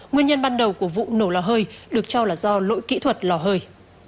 nguyên nhân ban đầu của vụ nổ lò hơi được cho là do lỗi kỹ thuật lò hơi